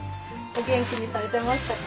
お元気にされてましたか？